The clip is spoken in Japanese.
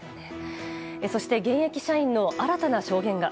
そして現役社員の新たな証言が。